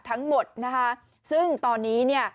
ทั้งหมดนะคะซึ่งตอนนี้เนี่ย